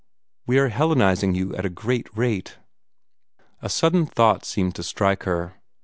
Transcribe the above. "We are Hellenizing you at a great rate." A sudden thought seemed to strike her.